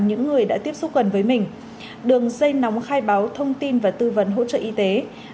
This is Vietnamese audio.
những người đã tiếp xúc gần với mình đường dây nóng khai báo thông tin và tư vấn hỗ trợ y tế